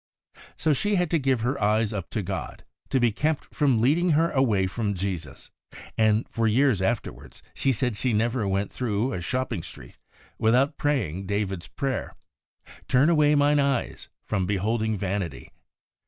So she had to give her eyes up to God, to be kept from leading her aw'ay from Jesus ; and for years afterward she said she never went through a shopping street without praying David's prayer, ' Turn away mine eyes from beholding vanity.